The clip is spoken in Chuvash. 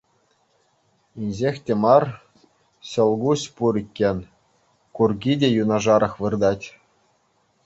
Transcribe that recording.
Инҫех те мар ҫӑл куҫ пур иккен, курки те юнашарах выртать.